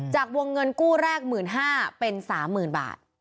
จากวงเงินกู้แรก๑๕๐๐เป็น๓๐๐๐บาท